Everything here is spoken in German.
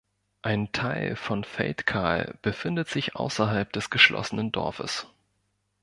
Ein Teil von Feldkahl befindet sich außerhalb des geschlossenen Dorfes.